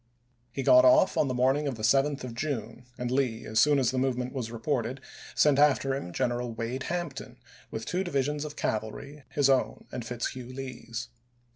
He got off on the morning of the 7th of June, and Lee, as soon as the movement was reported, sent after him General Wade Hampton with two divisions of cavalry, his own and Fitzhugh Lee's.